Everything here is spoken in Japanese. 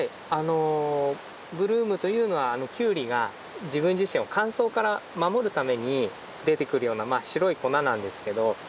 ブルームというのはキュウリが自分自身を乾燥から守るために出てくるような白い粉なんですけど。